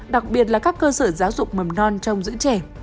đặc biệt là các cơ sở giáo dục mầm non trong giữ trẻ